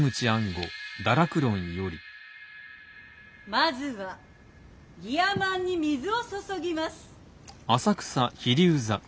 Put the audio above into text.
まずはギヤマンに水を注ぎます。